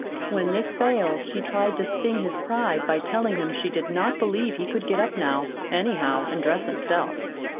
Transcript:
When this failed she tried to sting his pride by telling him she did not believe he could get up now, anyhow, and dress himself.